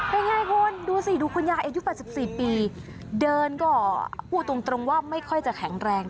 เป็นไงคุณดูสิดูคุณยายอายุ๘๔ปีเดินก็พูดตรงว่าไม่ค่อยจะแข็งแรง